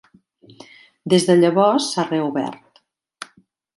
Des de llavors s'ha reobert.